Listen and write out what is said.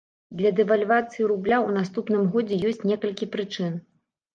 Для дэвальвацыі рубля ў наступным годзе ёсць некалькі прычын.